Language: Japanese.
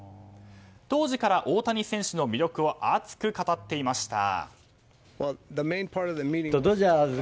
当時から大谷選手の魅力を熱く語っていました。